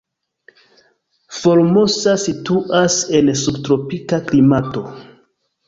Formosa situas en subtropika klimato.